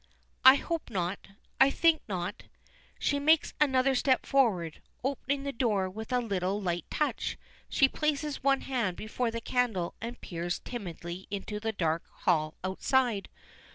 "I hope not I think not." She makes another step forward. Opening the door with a little light touch, she places one hand before the candle and peers timidly into the dark hall outside.